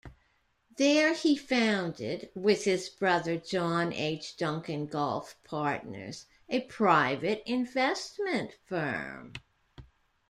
There he founded-with his brother, John H. Duncan-Gulf Partners, a private investment firm.